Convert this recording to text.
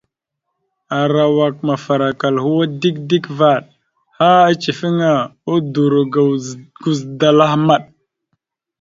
Arawak mafarakal hwa dik dik vvaɗ, ha icefaŋa, udoro guzədalah amat.